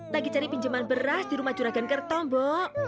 lagi cari pinjaman beras di rumah juragan kerto mbok